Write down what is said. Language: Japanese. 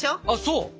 あそう！